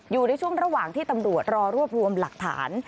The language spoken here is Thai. อยู่ในช่วงระหว่างที่ตำรวจรอรวบรวมหลักฐาน